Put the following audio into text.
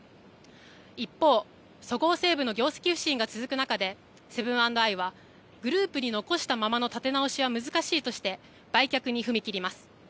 一方、そごう・西武の業績不振が続く中でセブン＆アイはグループに残したままの立て直しは難しいとして売却に踏み切ります。